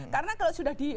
karena kalau sudah di